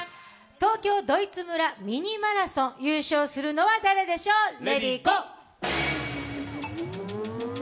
東京ドイツ村、「ミニマラソン」優勝するのは誰でしょう？